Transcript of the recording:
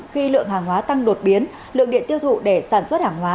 khi lượng hàng hóa tăng đột biến lượng điện tiêu thụ để sản xuất hàng hóa